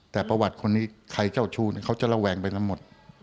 แต่ประวัติคนนี้ใครเจ้าชู้เขาจะระแวงไปทั้งหมด